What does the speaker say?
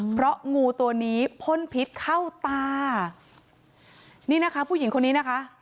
เพราะงูตัวนี้พ่นพิษเข้าตานี่นะคะผู้หญิงคนนี้นะคะ